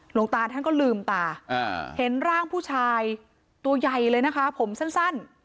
หลวงตาท่านก็ลืมตาเห็นร่างผู้ชายตัวใหญ่เลยนะคะผมสั้น